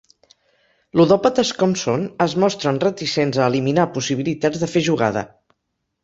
Ludòpates com són, es mostren reticents a eliminar possibilitats de fer jugada.